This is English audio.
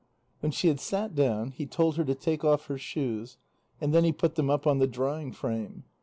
When she had sat down, he told her to take off her shoes, and then he put them up on the drying frame.